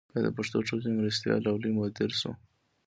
بیا د پښتو ټولنې مرستیال او لوی مدیر شو.